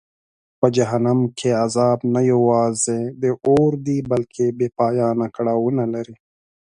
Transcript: په جهنم کې عذاب نه یوازې د اور دی بلکه بېپایانه کړاوونه لري.